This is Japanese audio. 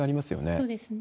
そうですね。